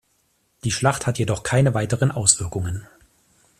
Die Schlacht hat jedoch keine weiteren Auswirkungen.